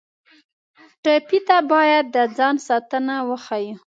ټپي ته باید د ځان ساتنه وښیو.